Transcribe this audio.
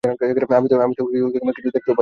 আমি তো কিছু দেখতেও পাই না।